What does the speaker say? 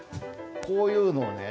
こういうのをね